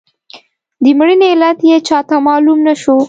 د مړینې علت یې چاته معلوم نه شو.